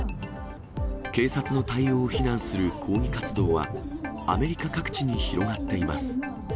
警察の対応を非難する抗議活動は、アメリカ各地に広がっています。